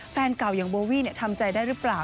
แฟนเก่าอย่างโบวี่เนี่ยทำใจได้รึเปล่า